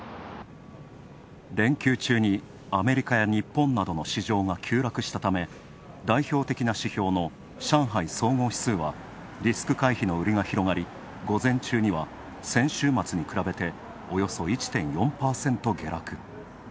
連休中にアメリカや日本などの市場が急落したため、代表的な指標の上海総合指数はリスク回避の売りが広がり午前中には先週末に比べて、およそ１．４％下落。